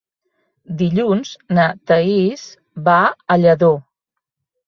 Dilluns na Thaís va a Lladó.